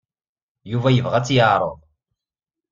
Yuba yebɣa ad t-yeɛreḍ.